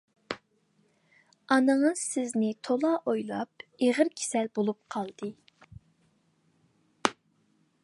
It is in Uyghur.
ئانىڭىز سىزنى تولا ئويلاپ ئېغىر كېسەل بولۇپ قالدى.